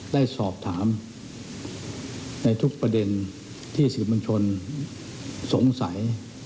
ได้สอบถามในทุกประเด็นที่สื่อมวลชนสงสัย